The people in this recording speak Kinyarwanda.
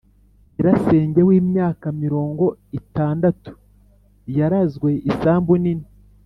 ] nyirasenge w'imyaka mirongo itandatu yarazwe isambu nini.